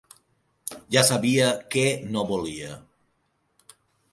Ja sabia què no volia.